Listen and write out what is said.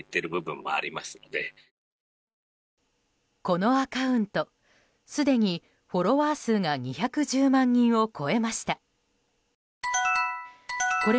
このアカウントすでにフォロワー数が２１０万人を超えました。